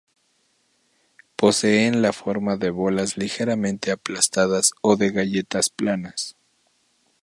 Poseen la forma de bolas ligeramente aplastadas o de galletas planas.